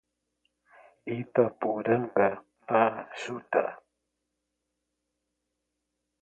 Itaporanga d'Ajuda